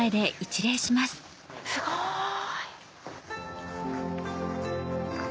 すごい！